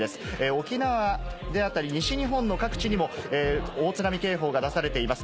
沖縄であったり西日本の各地にも大津波警報が出されています。